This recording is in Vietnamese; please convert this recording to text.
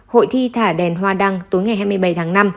hội thi thả đèn hoa đăng tối ngày hai mươi bảy tháng năm